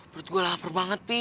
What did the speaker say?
perut gua lapar banget fi